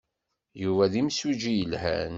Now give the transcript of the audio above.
Yuba d imsujji yelhan.